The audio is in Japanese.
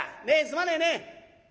ねえすまねえね。